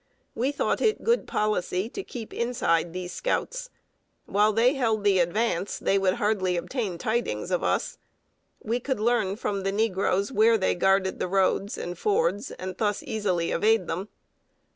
We thought it good policy to keep inside these scouts. While they held the advance, they would hardly obtain tidings of us. We could learn from the negroes where they guarded the roads and fords, and thus easily evade them.